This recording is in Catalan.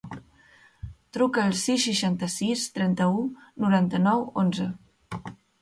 Truca al sis, seixanta-sis, trenta-u, noranta-nou, onze.